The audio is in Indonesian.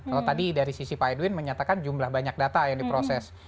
kalau tadi dari sisi pak edwin menyatakan jumlah banyak data yang diproses